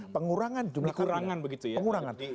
pengurangan jumlah keinginan